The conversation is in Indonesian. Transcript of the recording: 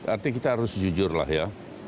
artinya kita harus jujur lah ya